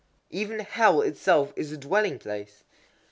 _ Even Hell itself is a dwelling place.